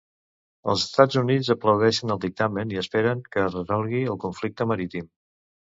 Els Estats Units aplaudeixen el dictamen i esperen que es resolgui el conflicte marítim.